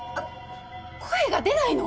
声が出ないの！？